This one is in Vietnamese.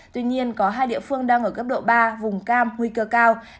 tuy nhiên có hai địa phương đang ở cấp độ ba vùng cam nguy cơ cao